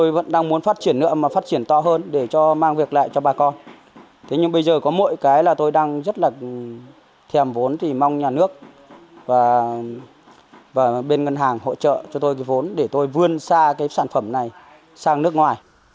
bên ngân hàng hỗ trợ cho tôi cái vốn để tôi vươn xa cái sản phẩm này sang nước ngoài